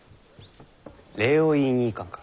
礼を言いに行かんか？